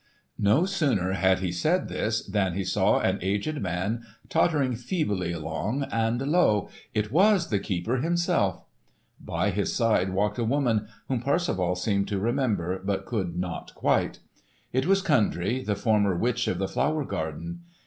No sooner had he said this, than he saw an aged man tottering feebly along, and lo! it was the keeper himself. By his side walked a woman whom Parsifal seemed to remember, but could not quite. It was Kundry the former witch of the flower garden.